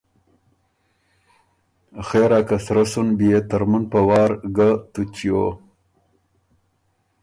” خېرا که سرۀ سُن بيې ترمُن په وار ګۀ تُو چیو“